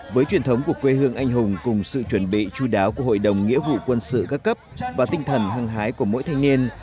với truyền thống của quê hương anh hùng cùng sự chuẩn bị chú đáo của hội đồng nghĩa vụ quân sự các cấp và tinh thần hăng hái của mỗi thanh niên